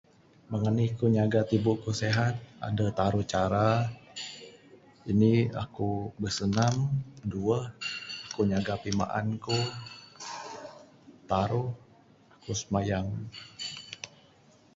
Meng anih ku nyaga tibu ku sihat adeh taruh cara. Indi aku bersenam, duweh aku nyaga pimaan ku, taruh aku simayang.